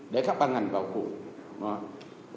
để các ban ngành vào cuộc